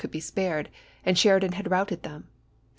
could be spared, and Sheridan had routed them.